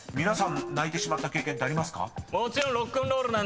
［皆さん泣いてしまった経験ってありますか？］